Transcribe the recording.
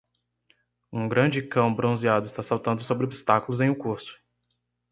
Um grande cão bronzeado está saltando sobre obstáculos em um curso.